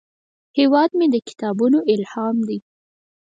هیواد مې د کتابونو الهام دی